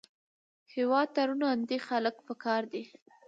هېواد ته روڼ اندي خلک پکار دي